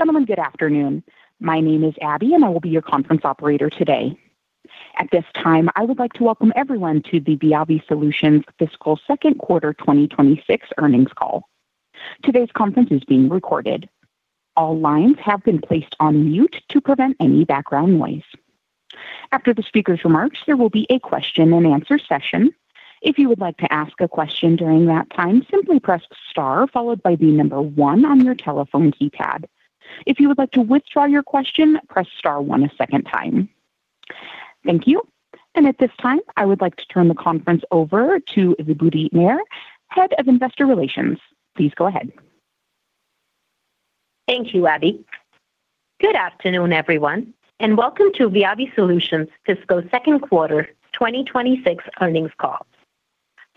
Ladies and gentlemen, good afternoon. My name is Abby, and I will be your conference operator today. At this time, I would like to welcome everyone to the Viavi Solutions Fiscal Second Quarter 2026 earnings call. Today's conference is being recorded. All lines have been placed on mute to prevent any background noise. After the speaker's remarks, there will be a question and answer session. If you would like to ask a question during that time, simply press star followed by the number one on your telephone keypad. If you would like to withdraw your question, press star one a second time. Thank you. At this time, I would like to turn the conference over to Vibhuti Nayar, Head of Investor Relations. Please go ahead. Thank you, Abby. Good afternoon, everyone, and Welcome to Viavi Solutions' fiscal second quarter 2026 earnings call.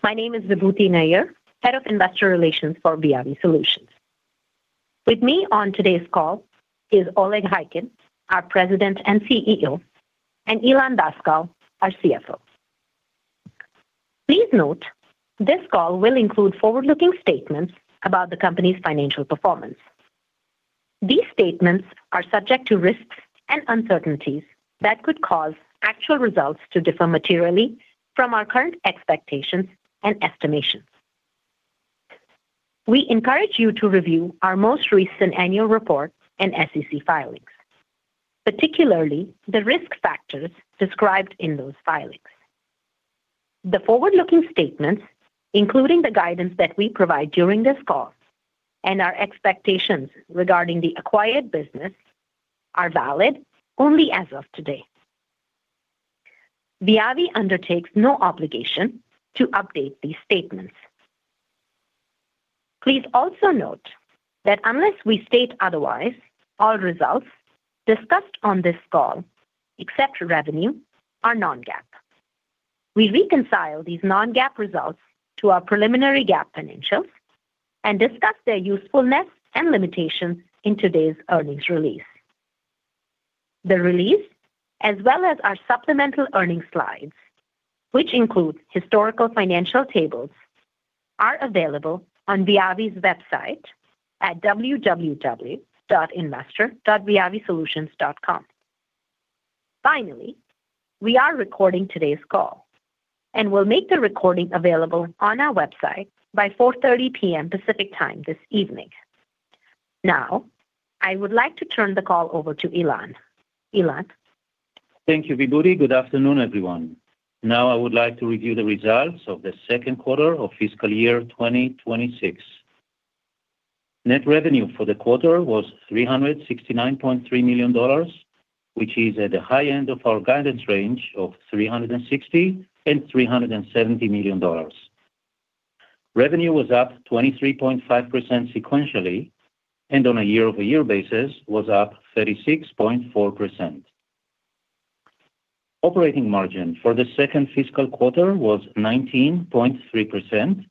My name is Vibhuti Nayar, Head of Investor Relations for Viavi Solutions. With me on today's call is Oleg Khaykin, our President and CEO, and Ilan Daskal, our CFO. Please note, this call will include forward-looking statements about the company's financial performance. These statements are subject to risks and uncertainties that could cause actual results to differ materially from our current expectations and estimations. We encourage you to review our most recent annual report and SEC filings, particularly the risk factors described in those filings. The forward-looking statements, including the guidance that we provide during this call and our expectations regarding the acquired business, are valid only as of today. Viavi undertakes no obligation to update these statements. Please also note that unless we state otherwise, all results discussed on this call, except revenue, are non-GAAP. We reconcile these non-GAAP results to our preliminary GAAP financials and discuss their usefulness and limitations in today's earnings release. The release, as well as our supplemental earnings slides, which includes historical financial tables, are available on Viavi's website at www.investor.viavisolutions.com. Finally, we are recording today's call, and we'll make the recording available on our website by 4:30 P.M. Pacific Time this evening. Now, I would like to turn the call over to Ilan. Ilan? Thank you, Vibhuti. Good afternoon, everyone. Now, I would like to review the results of the second quarter of fiscal year 2026. Net revenue for the quarter was $369.3 million, which is at the high end of our guidance range of $360 million-$370 million. Revenue was up 23.5 sequentially, and on a year-over-year basis was up 36.4%. Operating margin for the second fiscal quarter was 19.3%,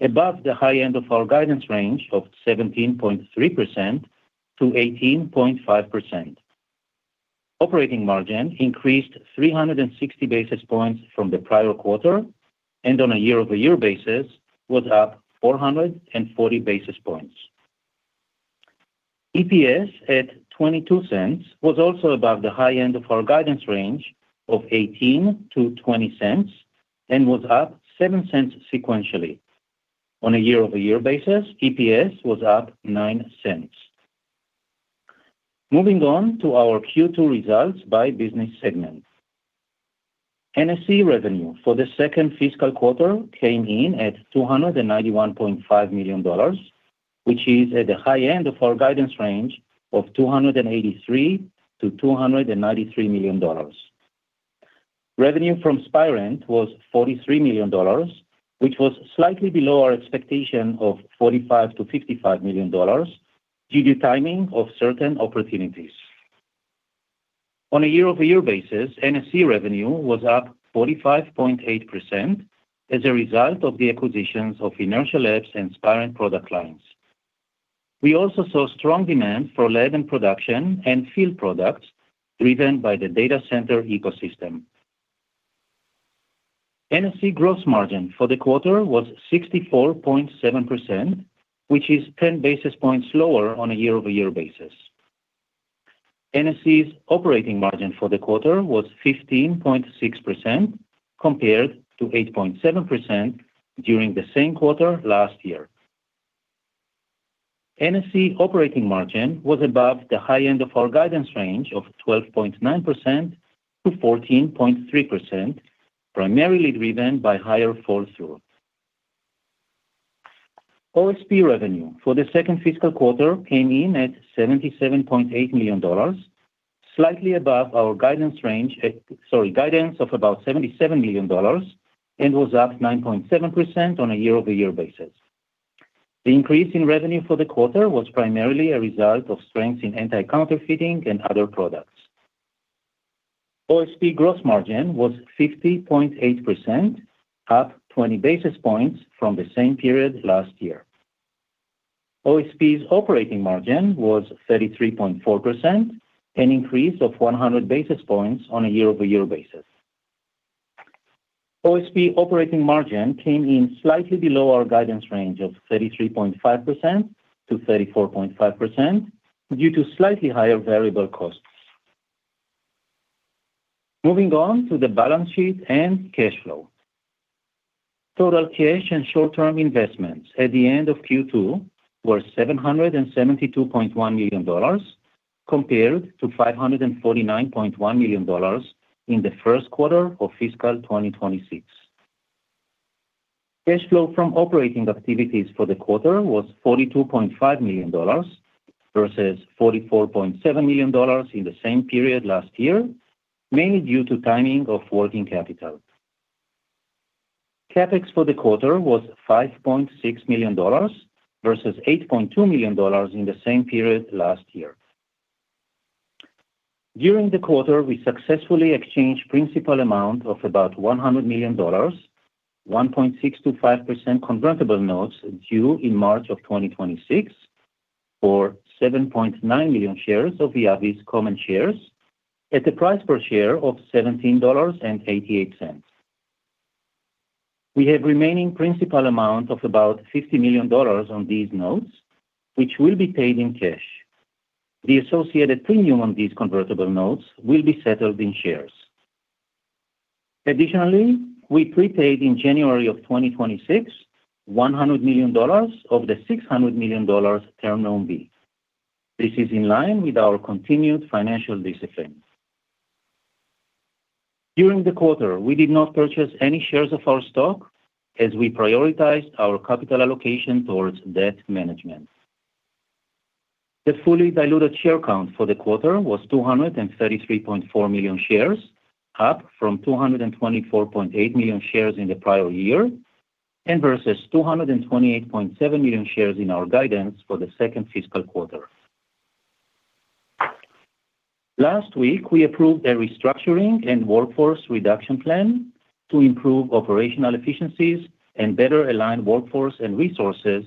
above the high end of our guidance range of 17.3%-18.5%. Operating margin increased 360 basis points from the prior quarter, and on a year-over-year basis was up 440 basis points. EPS at $0.22 was also above the high end of our guidance range of $0.18-$0.20 and was up $0.07 sequentially. On a year-over-year basis, EPS was up $0.09. Moving on to our Q2 results by business segment. NSE revenue for the second fiscal quarter came in at $291.5 million, which is at the high end of our guidance range of $283 million-$293 million. Revenue from Spirent was $43 million, which was slightly below our expectation of $45 million-$55 million due to timing of certain opportunities. On a year-over-year basis, NSE revenue was up 45.8% as a result of the acquisitions of Inertial Labs and Spirent product lines. We also saw strong demand for lab and production and field products, driven by the data center ecosystem. NSE gross margin for the quarter was 64.7%, which is 10 basis points lower on a year-over-year basis. NSE's operating margin for the quarter was 15.6%, compared to 8.7% during the same quarter last year. NSE operating margin was above the high end of our guidance range of 12.9%-14.3%, primarily driven by higher flow-through. OSP revenue for the second fiscal quarter came in at $77.8 million, slightly above our guidance range at -- sorry, guidance of about $77 million and was up 9.7% on a year-over-year basis. The increase in revenue for the quarter was primarily a result of strength in anti-counterfeiting and other products. OSP gross margin was 50.8%, up 20 basis points from the same period last year. OSP's operating margin was 33.4%, an increase of 100 basis points on a year-over-year basis. OSP operating margin came in slightly below our guidance range of 33.5%-34.5%, due to slightly higher variable costs. Moving on to the balance sheet and cash flow. Total cash and short-term investments at the end of Q2 were $772.1 million, compared to $549.1 million in the first quarter of fiscal 2026. Cash flow from operating activities for the quarter was $42.5 million versus $44.7 million in the same period last year, mainly due to timing of working capital. CapEx for the quarter was $5.6 million versus $8.2 million in the same period last year. During the quarter, we successfully exchanged principal amount of about $100 million, 1.625% convertible notes due in March 2026, or 7.9 million shares of Viavi's common shares at a price per share of $17.88. We have remaining principal amount of about $50 million on these notes, which will be paid in cash. The associated premium on these convertible notes will be settled in shares. Additionally, we prepaid in January 2026, $100 million of the $600 million Term Loan B. This is in line with our continued financial discipline. During the quarter, we did not purchase any shares of our stock as we prioritized our capital allocation towards debt management. The fully diluted share count for the quarter was 233.4 million shares, up from 224.8 million shares in the prior year, and versus 228.7 million shares in our guidance for the second fiscal quarter. Last week, we approved a restructuring and workforce reduction plan to improve operational efficiencies and better align workforce and resources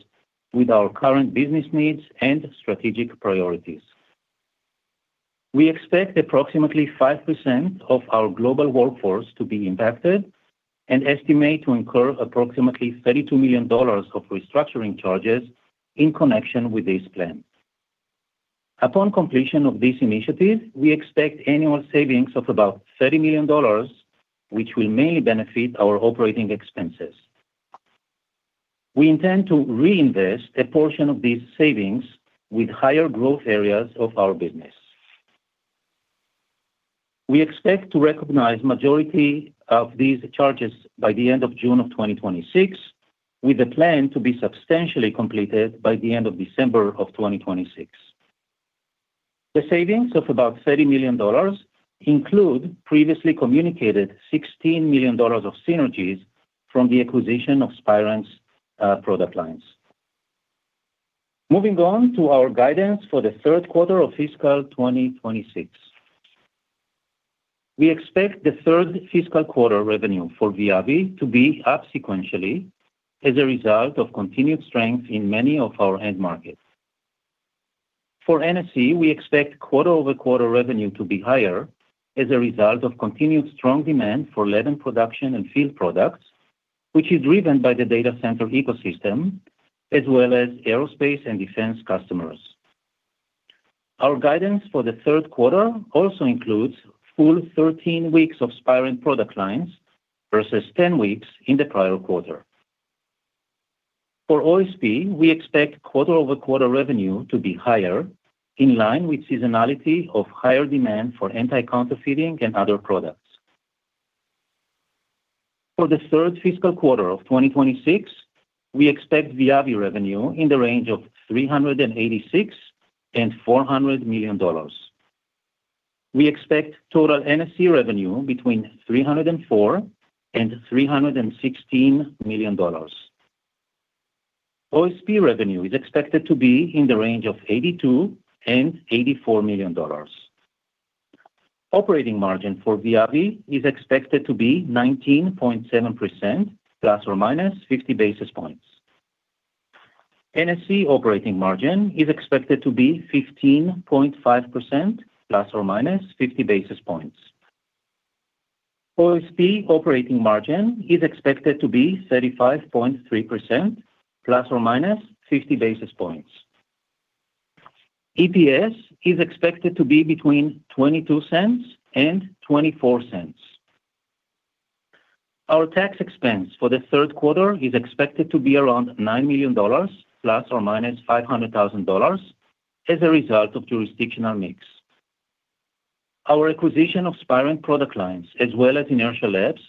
with our current business needs and strategic priorities. We expect approximately 5% of our global workforce to be impacted and estimate to incur approximately $32 million of restructuring charges in connection with this plan. Upon completion of this initiative, we expect annual savings of about $30 million, which will mainly benefit our operating expenses. We intend to reinvest a portion of these savings with higher growth areas of our business. We expect to recognize majority of these charges by the end of June 2026, with a plan to be substantially completed by the end of December 2026. The savings of about $30 million include previously communicated $16 million of synergies from the acquisition of Spirent's product lines. Moving on to our guidance for the third quarter of fiscal 2026. We expect the third fiscal quarter revenue for Viavi to be up sequentially as a result of continued strength in many of our end markets. For NSE, we expect quarter-over-quarter revenue to be higher as a result of continued strong demand for lab and production and field products, which is driven by the data center ecosystem, as well as aerospace and defense customers. Our guidance for the third quarter also includes full 13 weeks of Spirent product lines versus 10 weeks in the prior quarter. For OSP, we expect quarter-over-quarter revenue to be higher, in line with seasonality of higher demand for anti-counterfeiting and other products. For the third fiscal quarter of 2026, we expect Viavi revenue in the range of $386-$400 million. We expect total NSE revenue between $304 and $316 million. OSP revenue is expected to be in the range of $82-$84 million. Operating margin for Viavi is expected to be 19.7%, ±50 basis points. NSE operating margin is expected to be 15.5%, ±50 basis points. OSP operating margin is expected to be 35.3%, ±50 basis points. EPS is expected to be between $0.22 and $0.24. Our tax expense for the third quarter is expected to be around $9 million, ±$500,000, as a result of jurisdictional mix. Our acquisition of Spirent product lines, as well as Inertial Labs,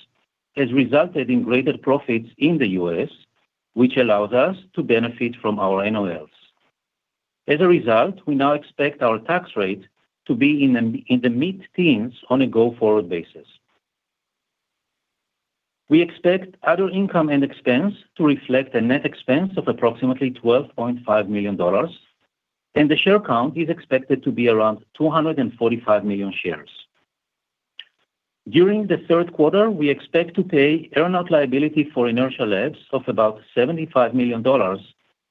has resulted in greater profits in the U.S., which allows us to benefit from our NOLs. As a result, we now expect our tax rate to be in the mid-teens on a go-forward basis. We expect other income and expense to reflect a net expense of approximately $12.5 million, and the share count is expected to be around 245 million shares. During the third quarter, we expect to pay earnout liability for Inertial Labs of about $75 million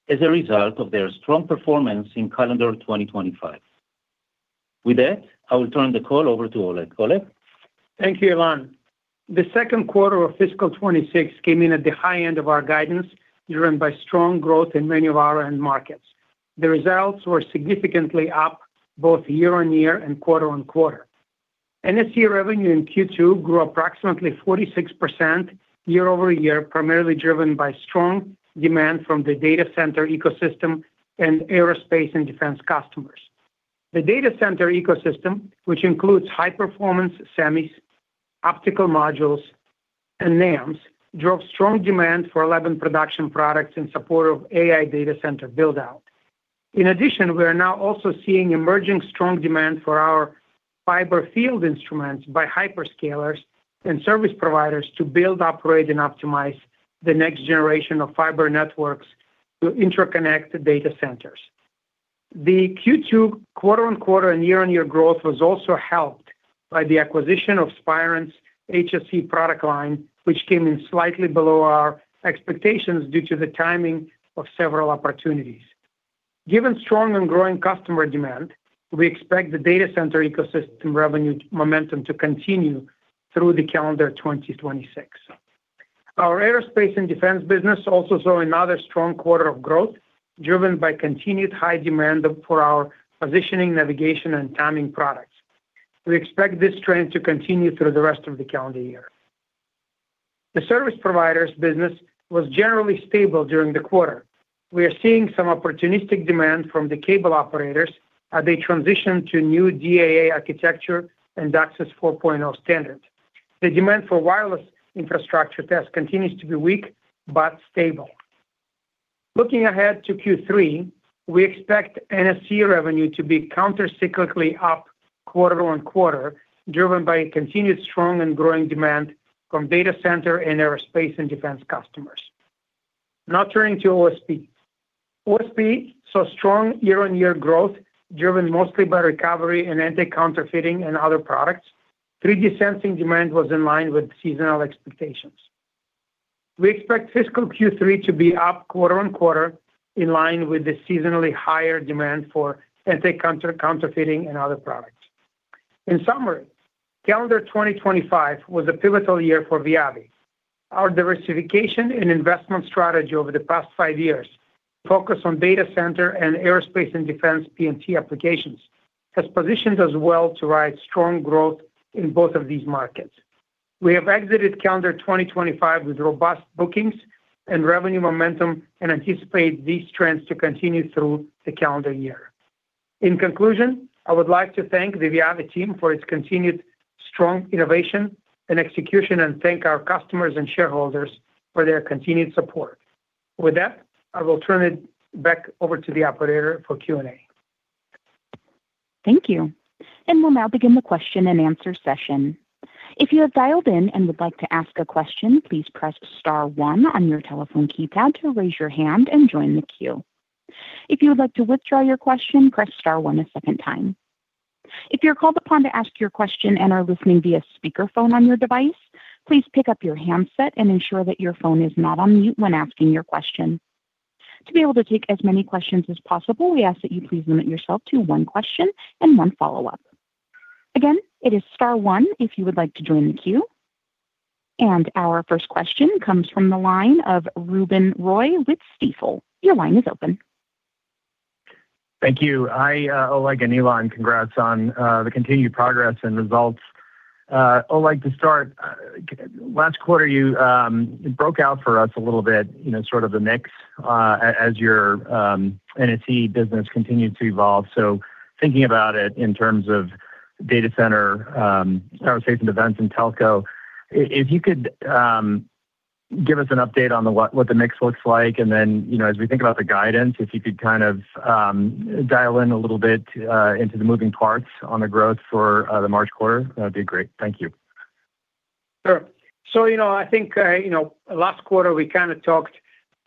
as a result of their strong performance in calendar 2025. With that, I will turn the call over to Oleg. Oleg? Thank you, Ilan. The second quarter of fiscal 2026 came in at the high end of our guidance, driven by strong growth in many of our end markets. The results were significantly up both year-on-year and quarter-over-quarter. NSE revenue in Q2 grew approximately 46% year-over-year, primarily driven by strong demand from the data center ecosystem and aerospace and defense customers. The data center ecosystem, which includes high-performance semis, optical modules, and NEMs, drove strong demand for lab and production products in support of AI data center build-out. In addition, we are now also seeing emerging strong demand for our fiber field instruments by hyperscalers and service providers to build, operate, and optimize the next generation of fiber networks to interconnect the data centers. The Q2 quarter-on-quarter and year-on-year growth was also helped by the acquisition of Spirent's HSE product line, which came in slightly below our expectations due to the timing of several opportunities. Given strong and growing customer demand, we expect the data center ecosystem revenue momentum to continue through the calendar 2026. Our aerospace and defense business also saw another strong quarter of growth, driven by continued high demand for our positioning, navigation, and timing products. We expect this trend to continue through the rest of the calendar year. The service providers business was generally stable during the quarter. We are seeing some opportunistic demand from the cable operators as they transition to new DAA architecture and Access 4.0 standards. The demand for wireless infrastructure test continues to be weak but stable. Looking ahead to Q3, we expect NSE revenue to be countercyclically up quarter-on-quarter, driven by continued strong and growing demand from data center and aerospace and defense customers. Now turning to OSP. OSP saw strong year-on-year growth, driven mostly by recovery and anti-counterfeiting and other products. 3D sensing demand was in line with seasonal expectations. We expect fiscal Q3 to be up quarter-on-quarter, in line with the seasonally higher demand for anti-counterfeiting and other products. In summary, calendar 2025 was a pivotal year for Viavi. Our diversification and investment strategy over the past five years, focus on data center and aerospace and defense PNT applications, has positioned us well to ride strong growth in both of these markets. We have exited calendar 2025 with robust bookings and revenue momentum and anticipate these trends to continue through the calendar year. In conclusion, I would like to thank the Viavi team for its continued strong innovation and execution, and thank our customers and shareholders for their continued support. With that, I will turn it back over to the operator for Q&A. Thank you. We'll now begin the question-and-answer session. If you have dialed in and would like to ask a question, please press star one on your telephone keypad to raise your hand and join the queue. If you would like to withdraw your question, press star one a second time. If you're called upon to ask your question and are listening via speakerphone on your device, please pick up your handset and ensure that your phone is not on mute when asking your question. To be able to take as many questions as possible, we ask that you please limit yourself to one question and one follow-up. Again, it is star one if you would like to join the queue. Our first question comes from the line of Ruben Roy with Stifel. Your line is open. Thank you. I, Oleg and Ilan, congrats on, the continued progress and results. Oleg, to start, last quarter, you, broke out for us a little bit, you know, sort of the mix, as your, NSE business continued to evolve. So thinking about it in terms of data center, aerospace and defense and telco, if you could, give us an update on the what, what the mix looks like, and then, you know, as we think about the guidance, if you could kind of, dial in a little bit, into the moving parts on the growth for, the March quarter, that'd be great. Thank you. Sure. So, you know, I think, you know, last quarter, we kinda talked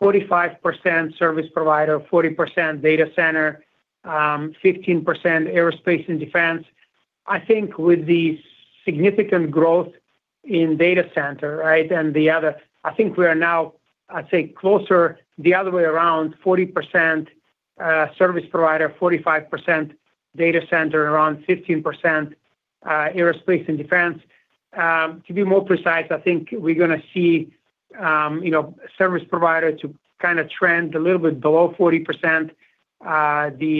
45% service provider, 40% data center, 15% aerospace and defense. I think with the significant growth in data center, right, and the other, I think we are now, I'd say, closer the other way around, 40% service provider, 45% data center, around 15% aerospace and defense. To be more precise, I think we're going to see, you know, service provider to kind of trend a little bit below 40%. The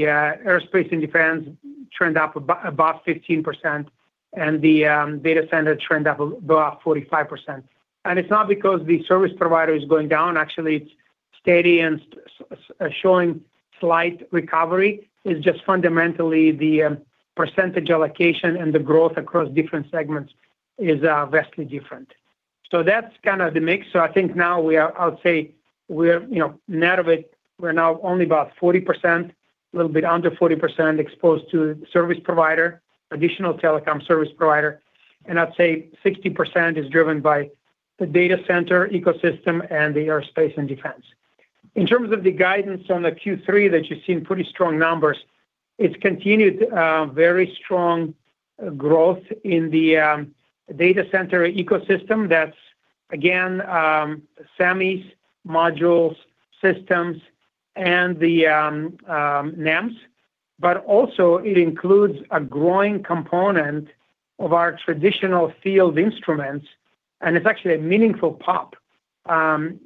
aerospace and defense trend up above 15%, and the data center trend up about 45%. And it's not because the service provider is going down. Actually, it's steady and showing slight recovery. It's just fundamentally the percentage allocation and the growth across different segments is vastly different. So that's kind of the mix. So I think now we are... I'll say we're, you know, net of it, we're now only about 40%, a little bit under 40%, exposed to service provider, additional telecom service provider. And I'd say 60% is driven by the data center ecosystem and the aerospace and defense. In terms of the guidance on the Q3 that you've seen pretty strong numbers, it's continued, very strong growth in the data center ecosystem. That's again, semis, modules, systems. And the NEMs, but also it includes a growing component of our traditional field instruments, and it's actually a meaningful pop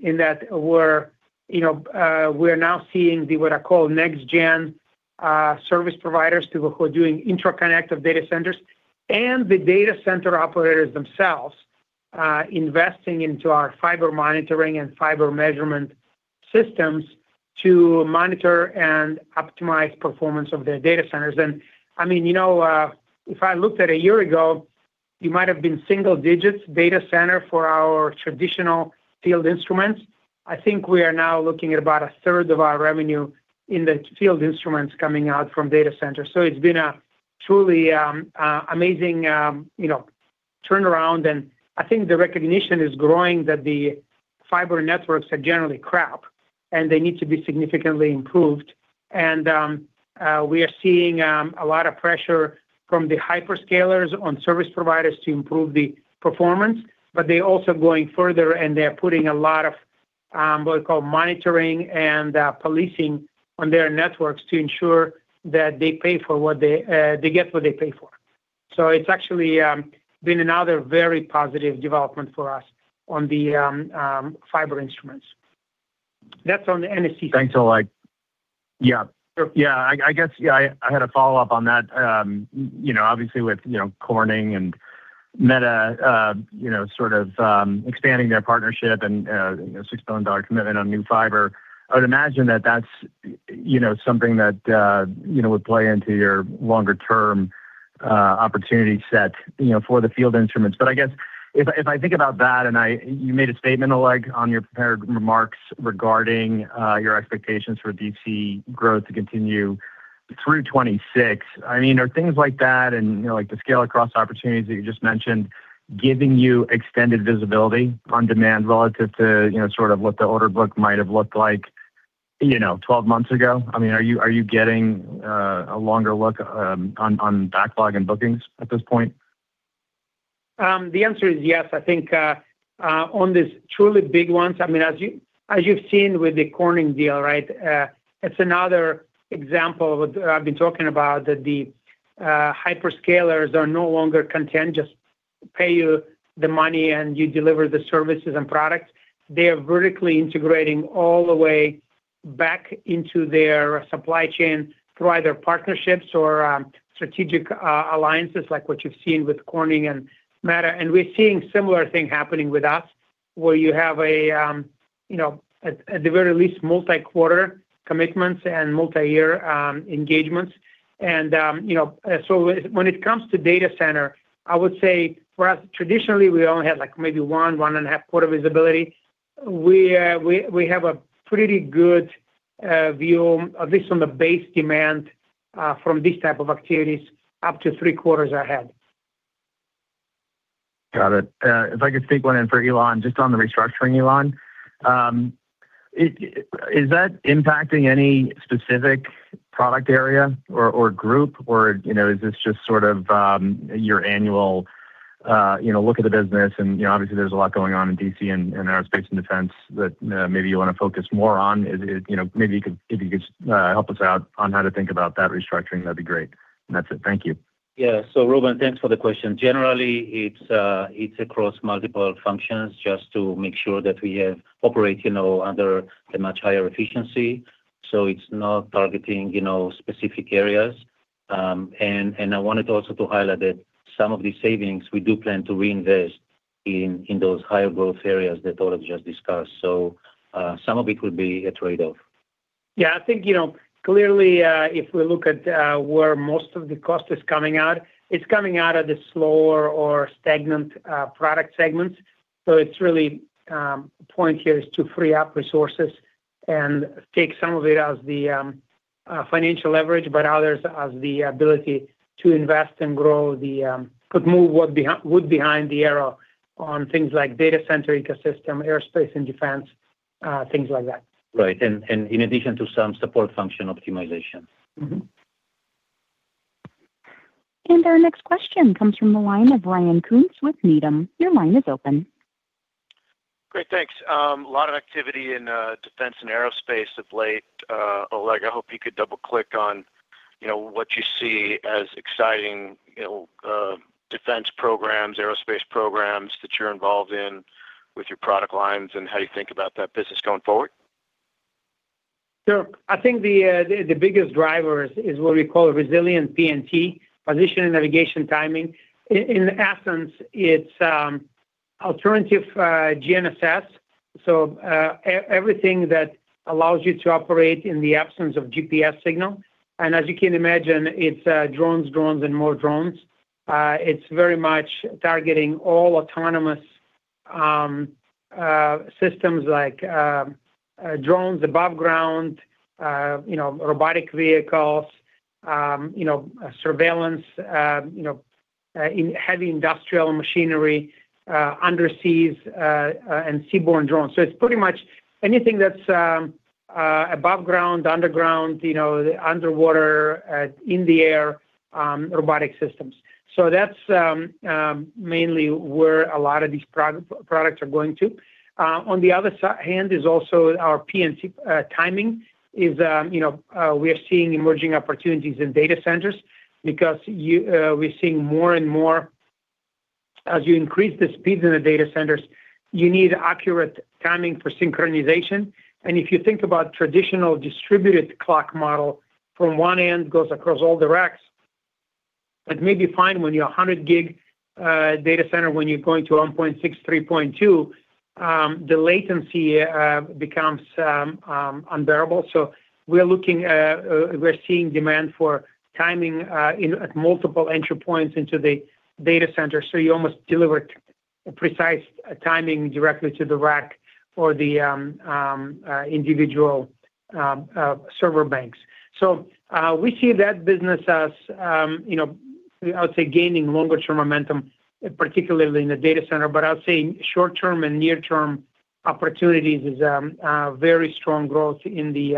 in that we're, you know, we're now seeing the what I call next gen service providers who are doing interconnect of data centers, and the data center operators themselves investing into our fiber monitoring and fiber measurement systems to monitor and optimize performance of their data centers. And I mean, you know, if I looked at a year ago, you might have been single digits data center for our traditional field instruments. I think we are now looking at about a third of our revenue in the field instruments coming out from data center. So it's been a truly, amazing, you know, turnaround, and I think the recognition is growing that the fiber networks are generally crap, and they need to be significantly improved. And, we are seeing, a lot of pressure from the hyperscalers on service providers to improve the performance, but they're also going further, and they're putting a lot of, what we call monitoring and, policing on their networks to ensure that they pay for what they-- they get, what they pay for. So it's actually, been another very positive development for us on the, fiber instruments. That's on the NSE. Thanks, Oleg. Yeah. Yeah, I guess I had a follow-up on that. You know, obviously with, you know, Corning and Meta, you know, sort of, expanding their partnership and, you know, $6 billion commitment on new fiber, I would imagine that that's, you know, something that, you know, would play into your longer term, opportunity set, you know, for the field instruments. But I guess if I, if I think about that, and I-- you made a statement, Oleg, on your prepared remarks regarding, your expectations for DC growth to continue through 2026. I mean, are things like that and, you know, like the scale across opportunities that you just mentioned, giving you extended visibility on demand relative to, you know, sort of what the order book might have looked like, you know, 12 months ago? I mean, are you, are you getting a longer look on, on backlog and bookings at this point? The answer is yes. I think on these truly big ones, I mean, as you, as you've seen with the Corning deal, right? It's another example of what I've been talking about, that the hyperscalers are no longer content, just pay you the money, and you deliver the services and products. They are vertically integrating all the way back into their supply chain through either partnerships or strategic alliances like what you've seen with Corning and Meta. And we're seeing similar thing happening with us, where you have a you know, at the very least, multi-quarter commitments and multi-year engagements. And you know, so when it comes to data center, I would say for us, traditionally, we only had, like, maybe one, one and a half quarter visibility. We have a pretty good view, at least on the base demand from these type of activities, up to three quarters ahead. Got it. If I could sneak one in for Oleg, just on the restructuring, Oleg. Is that impacting any specific product area or group, or you know, is this just sort of your annual, you know, look at the business? And you know, obviously there's a lot going on in DC and aerospace and defense that maybe you want to focus more on. Is you know, maybe you could if you could help us out on how to think about that restructuring, that'd be great. And that's it. Thank you. Yeah. So Ruben, thanks for the question. Generally, it's across multiple functions just to make sure that we operate, you know, under a much higher efficiency. So it's not targeting, you know, specific areas. And I wanted also to highlight that some of these savings, we do plan to reinvest in those higher growth areas that Oleg just discussed. So some of it will be a trade-off. Yeah, I think, you know, clearly, if we look at where most of the cost is coming out, it's coming out of the slower or stagnant product segments. So it's really point here is to free up resources and take some of it as the financial leverage, but others as the ability to invest and grow the... put more wood behind the arrow on things like data center ecosystem, aerospace and defense, things like that. Right. And in addition to some support function optimization. Mm-hmm. Our next question comes from the line of Ryan Koontz with Needham. Your line is open. Great. Thanks. A lot of activity in defense and aerospace of late. Oleg, I hope you could double click on, you know, what you see as exciting, you know, defense programs, aerospace programs that you're involved in with your product lines, and how you think about that business going forward. Sure. I think the biggest driver is what we call resilient PNT, position, navigation, timing. In essence, it's alternative GNSS, so everything that allows you to operate in the absence of GPS signal. And as you can imagine, it's drones, drones, and more drones. It's very much targeting all autonomous systems like drones above ground, you know, robotic vehicles, you know, surveillance, you know, in heavy industrial machinery, undersea, and seaborne drones. So it's pretty much anything that's above ground, underground, you know, the underwater, in the air, robotic systems. So that's mainly where a lot of these products are going to. On the other hand is also our PNT timing is, you know, we are seeing emerging opportunities in data centers because you, we're seeing more and more as you increase the speeds in the data centers, you need accurate timing for synchronization. And if you think about traditional distributed clock model, from one end goes across all the racks, that may be fine when you're 100 gig data center. When you're going to 1.6, 3.2, the latency becomes unbearable. So we are looking at, we're seeing demand for timing in at multiple entry points into the data center, so you almost deliver precise timing directly to the rack for the individual server banks. We see that business as, you know, I would say, gaining longer term momentum, particularly in the data center. But I would say in short-term and near-term opportunities is very strong growth in the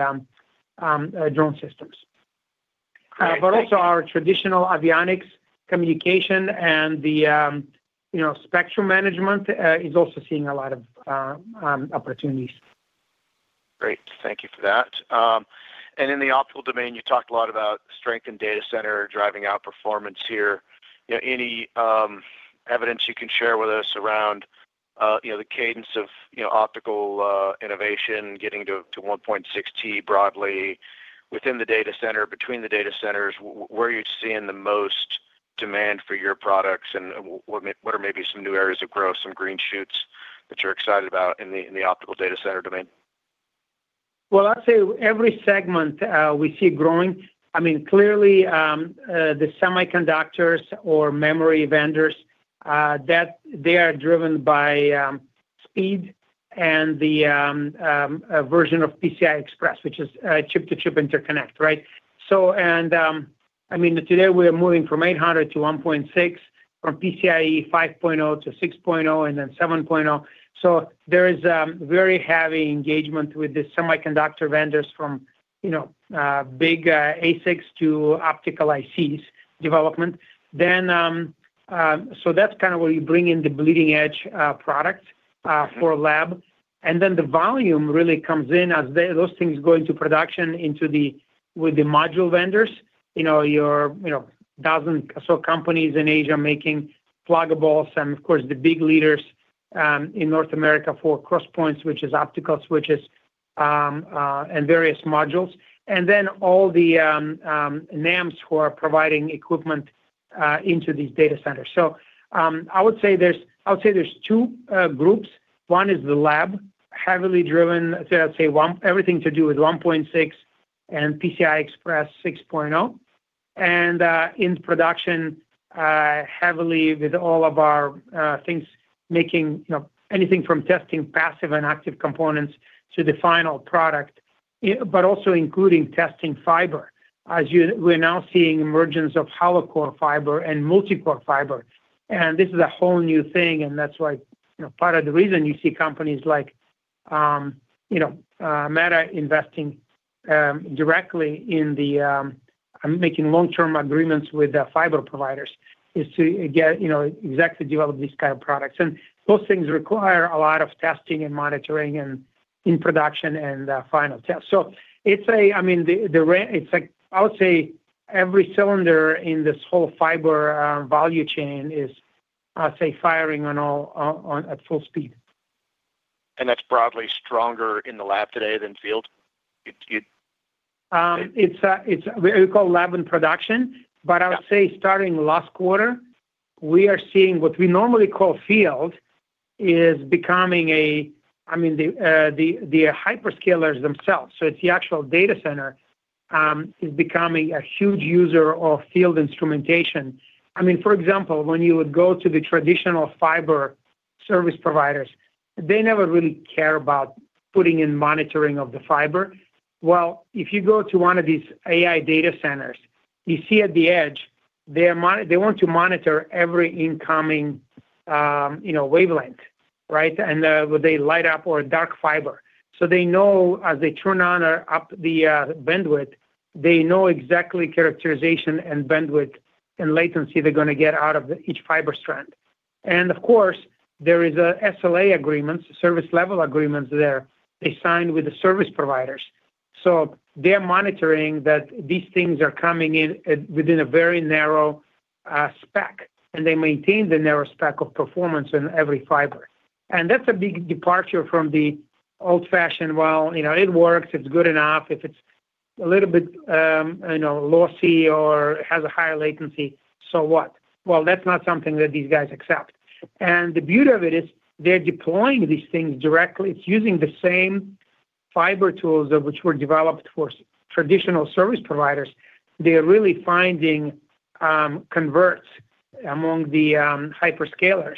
drone systems. Great, thank you. But also our traditional avionics communication and the, you know, spectrum management is also seeing a lot of opportunities. Great. Thank you for that. And in the optical domain, you talked a lot about strength in data center, driving out performance here. You know, any evidence you can share with us around, you know, the cadence of, you know, optical innovation, getting to 1.6T broadly within the data center, between the data centers, where are you seeing the most demand for your products, and what are maybe some new areas of growth, some green shoots that you're excited about in the optical data center domain? Well, I'd say every segment we see growing. I mean, clearly, the semiconductors or memory vendors that they are driven by speed and the version of PCI Express, which is chip-to-chip interconnect, right? So and I mean, today we are moving from 800 to 1.6, from PCIe 5 to 6.0, and then 7.0. So there is very heavy engagement with the semiconductor vendors from, you know, big ASICs to optical ICs development. Then, so that's kind of where you bring in the bleeding edge product for lab. And then the volume really comes in as they those things go into production into the with the module vendors. You know, you know, 1,000 or so companies in Asia making pluggables and of course, the big leaders in North America for cross points, which is optical switches, and various modules. And then all the NEMs who are providing equipment into these data centers. So, I would say there's 2 groups. One is the lab, heavily driven, I'd say, everything to do with 1.6 and PCI Express 6.0. And in production, heavily with all of our things making, you know, anything from testing passive and active components to the final product, but also including testing fiber. We're now seeing emergence of hollow core fiber and multi-core fiber. This is a whole new thing, and that's why, you know, part of the reason you see companies like, you know, Meta investing directly in the making long-term agreements with the fiber providers is to get, you know, exactly develop these kind of products. And those things require a lot of testing and monitoring and in production and final test. So it's a, I mean, it's like I would say, every cylinder in this whole fiber value chain is, I'll say, firing on all, at full speed. That's broadly stronger in the lab today than field? It's what we call lab and production. Yeah. But I would say starting last quarter, we are seeing what we normally call field is becoming a, I mean, the hyperscalers themselves. So it's the actual data center is becoming a huge user of field instrumentation. I mean, for example, when you would go to the traditional fiber service providers, they never really care about putting in monitoring of the fiber. Well, if you go to one of these AI data centers, you see at the edge, they want to monitor every incoming, you know, wavelength, right? And they light up or dark fiber. So they know as they turn on or up the bandwidth, they know exactly characterization and bandwidth and latency they're gonna get out of each fiber strand. And of course, there is a SLA agreements, service level agreements there they signed with the service providers. So they are monitoring that these things are coming in at, within a very narrow, spec, and they maintain the narrow spec of performance in every fiber. And that's a big departure from the old-fashioned, "Well, you know, it works. It's good enough. If it's a little bit, you know, lossy or has a higher latency, so what?" Well, that's not something that these guys accept. And the beauty of it is, they're deploying these things directly. It's using the same fiber tools that which were developed for traditional service providers. They are really finding converts among the hyperscalers.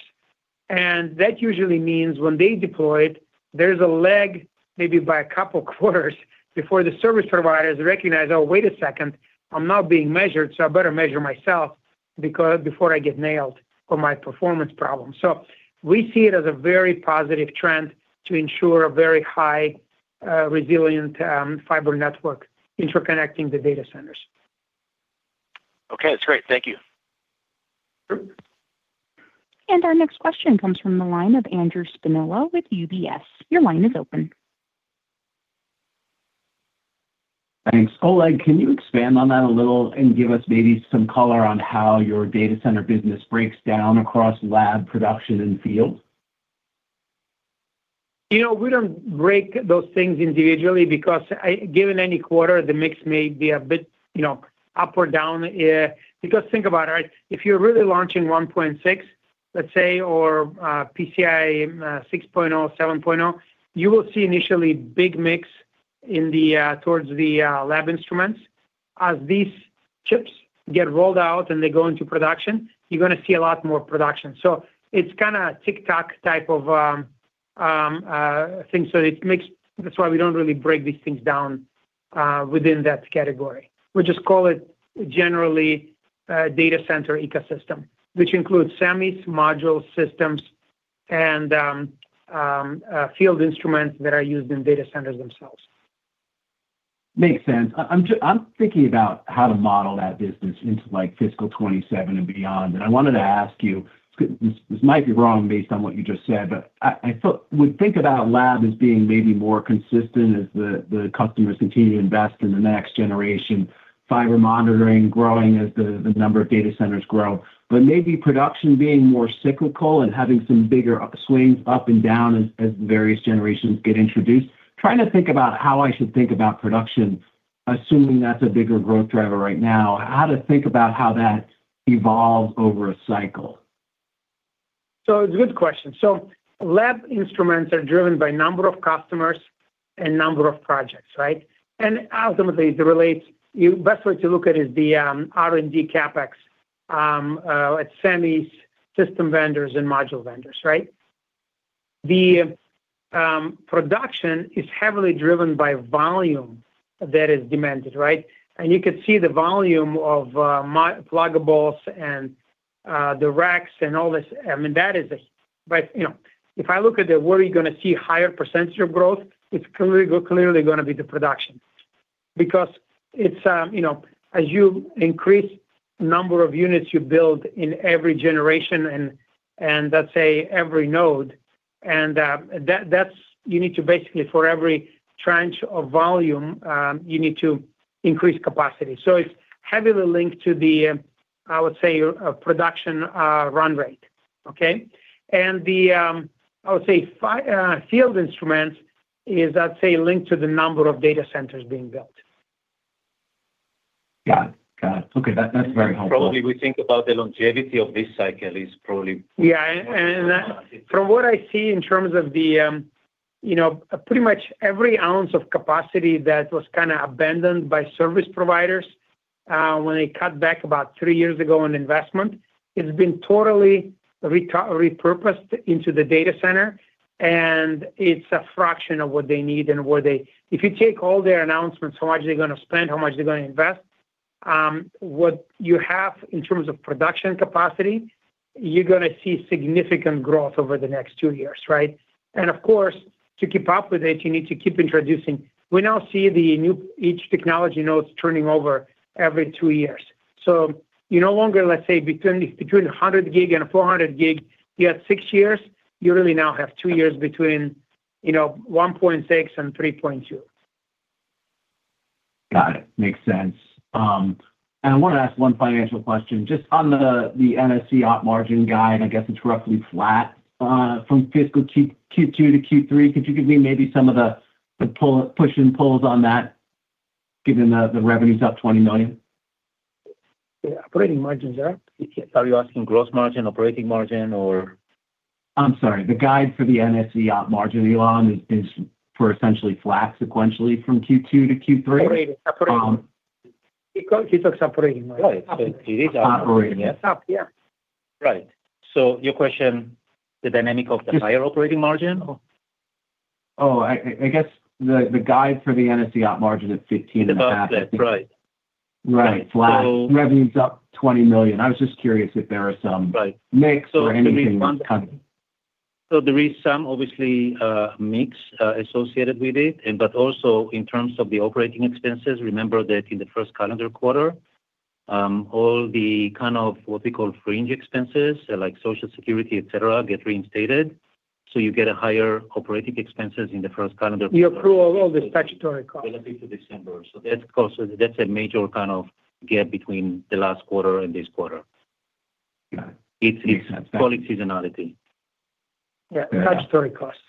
And that usually means when they deploy it, there's a lag, maybe by a couple quarters before the service providers recognize, "Oh, wait a second, I'm not being measured, so I better measure myself."... because before I get nailed for my performance problem. So we see it as a very positive trend to ensure a very high, resilient, fiber network interconnecting the data centers. Okay, that's great. Thank you. Sure. Our next question comes from the line of Andrew Spinola with UBS. Your line is open. Thanks. Oleg, can you expand on that a little and give us maybe some color on how your data center business breaks down across lab, production, and field? You know, we don't break those things individually because given any quarter, the mix may be a bit, you know, up or down. Because think about it, right? If you're really launching 1.6, let's say, or PCIe 6.0, 7.0, you will see initially big mix in towards the lab instruments. As these chips get rolled out and they go into production, you're gonna see a lot more production. So it's kind of a tick-tock type of thing. So it makes, that's why we don't really break these things down within that category. We just call it generally data center ecosystem, which includes semis, module systems, and field instruments that are used in data centers themselves. Makes sense. I'm thinking about how to model that business into, like, fiscal 2027 and beyond. And I wanted to ask you, this might be wrong based on what you just said, but I thought we think about lab as being maybe more consistent as the customers continue to invest in the next generation, fiber monitoring growing as the number of data centers grow. But maybe production being more cyclical and having some bigger swings up and down as various generations get introduced. Trying to think about how I should think about production, assuming that's a bigger growth driver right now, how to think about how that evolves over a cycle? So it's a good question. So lab instruments are driven by number of customers and number of projects, right? And ultimately, it relates you best way to look at is the R&D CapEx at semis, system vendors, and module vendors, right? The production is heavily driven by volume that is demanded, right? And you could see the volume of pluggables and the racks and all this. I mean, that is a but, you know, if I look at where are you gonna see higher percentage of growth, it's clearly, clearly gonna be the production. Because it's you know, as you increase number of units you build in every generation, and, and let's say, every node, and that, that's you need to basically, for every tranche of volume, you need to increase capacity. So it's heavily linked to the, I would say, production run rate, okay? And the, I would say, field instruments is, I'd say, linked to the number of data centers being built. Got it. Got it. Okay, that, that's very helpful. Probably, we think about the longevity of this cycle is probably- Yeah, and from what I see in terms of the, you know, pretty much every ounce of capacity that was kind of abandoned by service providers when they cut back about three years ago on investment, it's been totally repurposed into the data center, and it's a fraction of what they need and where they. If you take all their announcements, how much they're gonna spend, how much they're gonna invest, what you have in terms of production capacity, you're gonna see significant growth over the next two years, right? And of course, to keep up with it, you need to keep introducing. We now see the new each technology nodes turning over every two years. So you no longer, let's say, between 100 gig and 400 gig, you had 6 years. You really now have 2 years between, you know, 1.6 and 3.2. Got it. Makes sense. I wanna ask one financial question, just on the, the NSE op margin guide. I guess it's roughly flat from fiscal Q2 to Q3. Could you give me maybe some of the, the push and pulls on that, given the, the revenue's up $20 million? Yeah, operating margins are - Are you asking gross margin, operating margin, or? I'm sorry, the guide for the NSE op margin, Ilan, is for essentially flat sequentially from Q2 to Q3. Operating. Operating. Because he talks operating margin. Right. It is operating. Operating, yeah. Up, yeah. Right. So your question, the dynamic of the higher operating margin or? Oh, I guess the guide for the NSE op margin is 15.5%. About that, right. Right. So- Flat. Revenue's up $20 million. I was just curious if there are some- Right mix or anything that's cutting. So there is some obviously, mix, associated with it, and but also in terms of the operating expenses, remember that in the first calendar quarter, all the kind of what we call fringe expenses, like Social Security, et cetera, get reinstated. So you get a higher operating expenses in the first calendar quarter. You approve all the statutory costs. Relating to December. So that's cost, that's a major kind of gap between the last quarter and this quarter. Got it. It's call it seasonality. Yeah. Yeah. Statutory costs.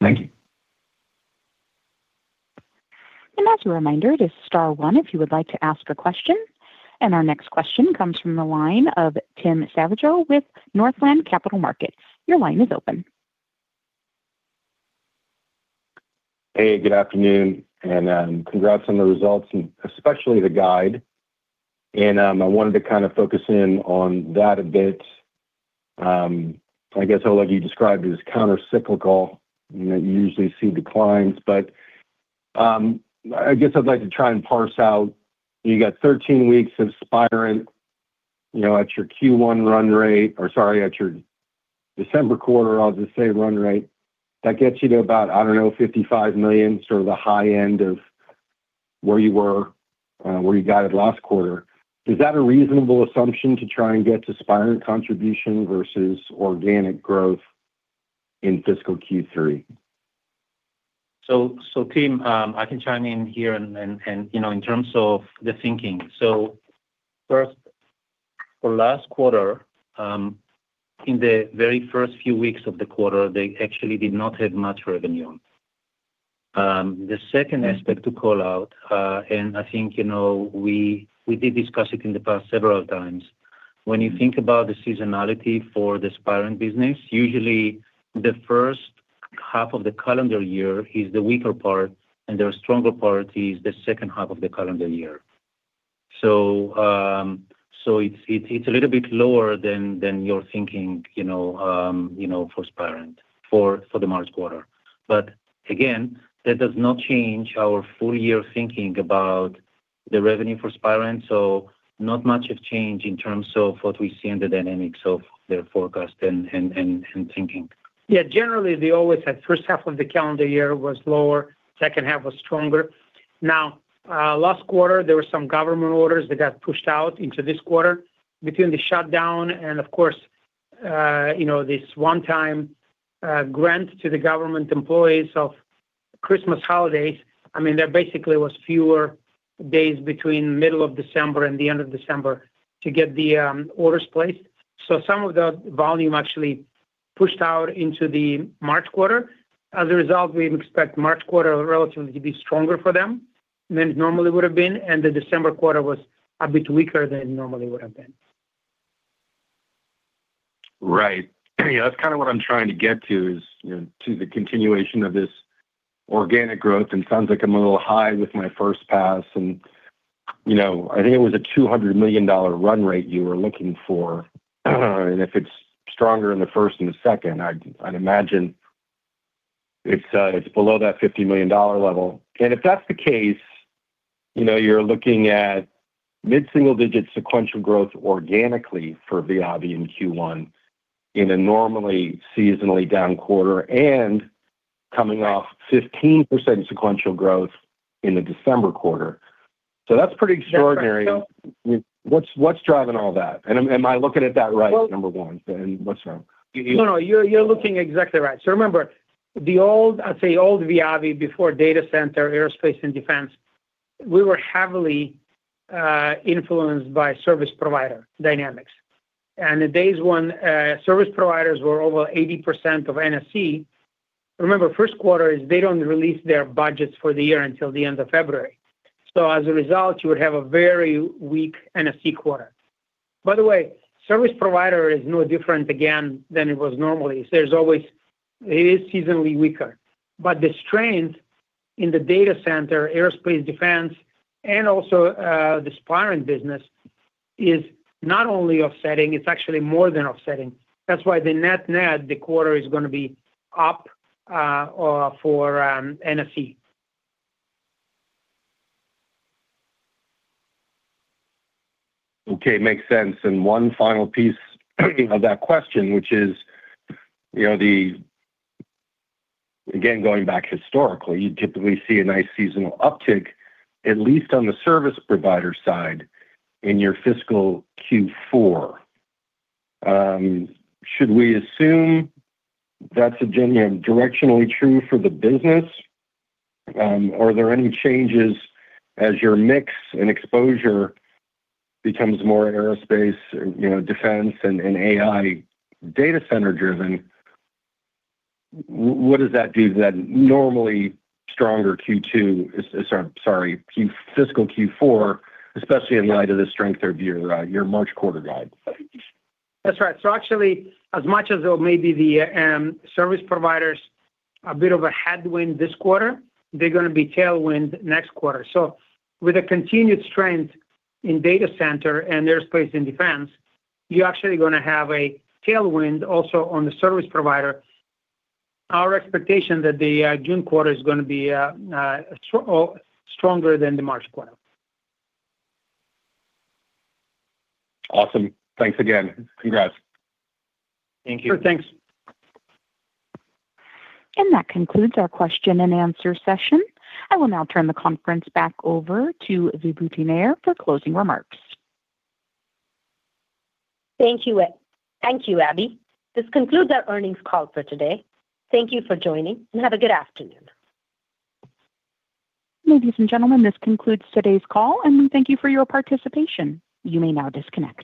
Thank you. As a reminder, it is star one if you would like to ask a question. Our next question comes from the line of Tim Savageaux with Northland Capital Markets. Your line is open. Hey, good afternoon, and congrats on the results, and especially the guide. I wanted to kind of focus in on that a bit. I guess I'll let you describe it as countercyclical. You know, you usually see declines, but I guess I'd like to try and parse out. You got 13 weeks of Spirent, you know, at your Q1 run rate or, sorry, at your December quarter, I'll just say run rate. That gets you to about, I don't know, $55 million, sort of the high end of where you were, where you got it last quarter. Is that a reasonable assumption to try and get to Spirent contribution versus organic growth in fiscal Q3? So, Tim, I can chime in here and, you know, in terms of the thinking. So first, for last quarter, in the very first few weeks of the quarter, they actually did not have much revenue. The second aspect to call out, and I think, you know, we did discuss it in the past several times. When you think about the seasonality for the Spirent business, usually the first half of the calendar year is the weaker part, and the stronger part is the second half of the calendar year. So, it's a little bit lower than you're thinking, you know, for Spirent, the March quarter. But again, that does not change our full year thinking about the revenue for Spirent, so not much of change in terms of what we see in the dynamics of their forecast and thinking. Yeah, generally, they always had first half of the calendar year was lower, second half was stronger. Now, last quarter, there were some government orders that got pushed out into this quarter between the shutdown and, of course, you know, this one-time, grant to the government employees of Christmas holidays. I mean, there basically was fewer days between middle of December and the end of December to get the, orders placed. So some of the volume actually pushed out into the March quarter. As a result, we expect March quarter relatively to be stronger for them than it normally would have been, and the December quarter was a bit weaker than it normally would have been. Right. Yeah, that's kind of what I'm trying to get to, is, you know, to the continuation of this organic growth, and sounds like I'm a little high with my first pass and, you know, I think it was a $200 million run rate you were looking for. And if it's stronger in the first and the second, I'd, I'd imagine it's, it's below that $50 million level. And if that's the case, you know, you're looking at mid-single digit sequential growth organically for Viavi in Q1, in a normally seasonally down quarter and coming off 15% sequential growth in the December quarter. So that's pretty extraordinary. That's right, so- What's driving all that? Am I looking at that right, number one, and what's wrong? No, no, you're, you're looking exactly right. So remember, the old, I'd say old Viavi before data center, aerospace and defense, we were heavily influenced by service provider dynamics. And the days when service providers were over 80% of NSE, remember, first quarter is they don't release their budgets for the year until the end of February. So as a result, you would have a very weak NSE quarter. By the way, service provider is no different again than it was normally. There's always... It is seasonally weaker, but the strength in the data center, aerospace, defense, and also the Spirent business is not only offsetting, it's actually more than offsetting. That's why the net net, the quarter is gonna be up for NSE. Okay, makes sense. And one final piece of that question, which is, you know, Again, going back historically, you'd typically see a nice seasonal uptick, at least on the service provider side, in your fiscal Q4. Should we assume that's a genuine directionally true for the business? Are there any changes as your mix and exposure becomes more aerospace, you know, defense, and AI data center driven, what does that do to that normally stronger Q2? Sorry, fiscal Q4, especially in light of the strength of your, your March quarter guide? That's right. So actually, as much as there may be the service providers, a bit of a headwind this quarter, they're gonna be tailwind next quarter. So with a continued strength in data center and aerospace and defense, you're actually gonna have a tailwind also on the service provider. Our expectation that the June quarter is gonna be stronger than the March quarter. Awesome. Thanks again. Congrats. Thank you. Sure, thanks. That concludes our question and answer session. I will now turn the conference back over to Vibhuti Nayar for closing remarks. Thank you, Abby. Thank you, Abby. This concludes our earnings call for today. Thank you for joining, and have a good afternoon. Ladies and gentlemen, this concludes today's call, and thank you for your participation. You may now disconnect.